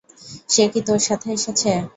সে কি তোর সাথে এসেছে?